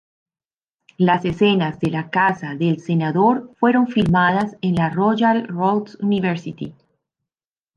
Las escenas de la casa del senador fueron filmadas en la Royal Roads University.